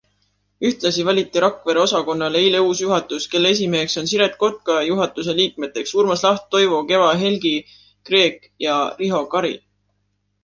Ühtlasi valiti Rakvere osakonnale eile uus juhatus, mille esimeheks on Siret Kotka ja juhatuse liikmeteks Urmas Laht, Toivo Keva, Helgi Kreek ja Riho Kari.